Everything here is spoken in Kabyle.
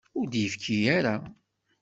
Ur d-yekfi ara.